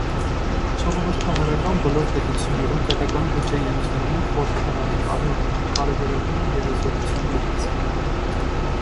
Ժողովրդավարական բոլոր պետություններում պետական բյուջեի ընդունումը խորհրդարանի կարևորագույն լիազորություններից է։